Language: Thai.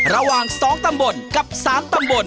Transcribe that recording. ระหว่าง๒ตำบลกับ๓ตำบล